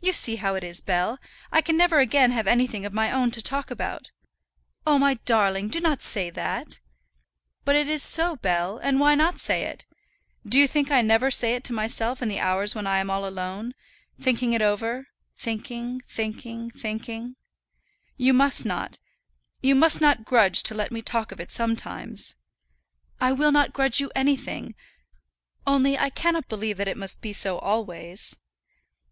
"You see how it is, Bell; I can never again have anything of my own to talk about." "Oh, my darling, do not say that." "But it is so, Bell; and why not say it? Do you think I never say it to myself in the hours when I am all alone, thinking over it thinking, thinking, thinking. You must not, you must not grudge to let me talk of it sometimes." "I will not grudge you anything; only I cannot believe that it must be so always."